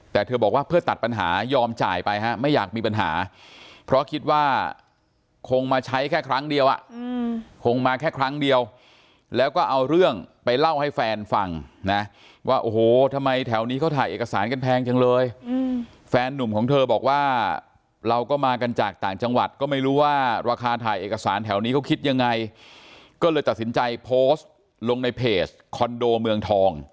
แต่เธอบอกว่าเพื่อตัดปัญหายอมจ่ายไปฮะไม่อยากมีปัญหาเพราะคิดว่าคงมาใช้แค่ครั้งเดียวอ่ะคงมาแค่ครั้งเดียวแล้วก็เอาเรื่องไปเล่าให้แฟนฟังนะว่าโอ้โหทำไมแถวนี้เขาถ่ายเอกสารกันแพงจังเลยแฟนนุ่มของเธอบอกว่าเราก็มากันจากต่างจังหวัดก็ไม่รู้ว่าราคาถ่ายเอกสารแถวนี้เขาคิดยังไงก็เลยตัดสินใจโพสต์ลงในเพจคอนโดเมืองทอง